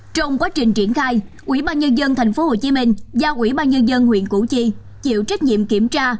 trong quá trình triển khai ubnd tp hcm giao ubnd huyện củ chi chịu trách nhiệm kiểm tra